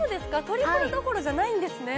トリプルどころじゃないんですね